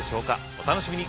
お楽しみに。